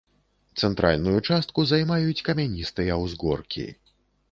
Цэнтральную частку займаюць камяністыя ўзгоркі.